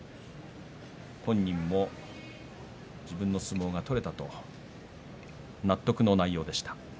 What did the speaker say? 本人も自分の相撲が取れたと納得の内容でした。